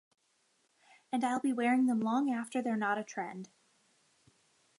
And I'll be wearing them long after they're a not a trend.